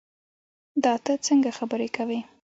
دا تۀ څنګه خبرې کوې